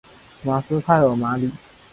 卡斯泰尔马里。